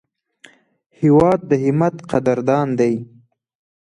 هېواد د همت قدردان دی.